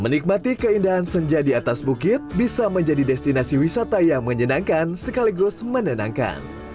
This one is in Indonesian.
menikmati keindahan senja di atas bukit bisa menjadi destinasi wisata yang menyenangkan sekaligus menenangkan